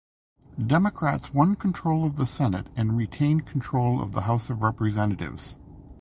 Democrats won control of the senate and retained control of the house of representatives.